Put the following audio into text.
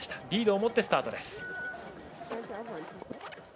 リードを持ってスタート。